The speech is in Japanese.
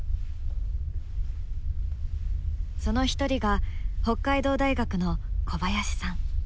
その一人が北海道大学の小林さん。